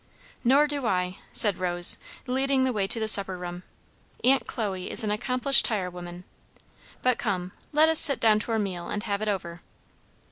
"Nor do I," said Rose, leading the way to the supper room, "Aunt Chloe is an accomplished tirewoman. But come, let us sit down to our meal and have it over."